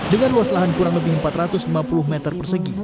dengan luas lahan kurang lebih empat ratus lima puluh meter persegi